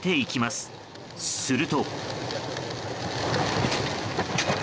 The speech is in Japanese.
すると。